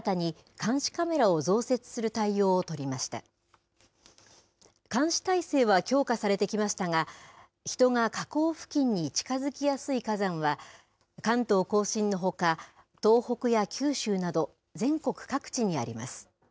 監視体制は強化されてきましたが、人が火口付近に近づきやすい火山は、関東甲信のほか、東北や九州など全国各地にあります。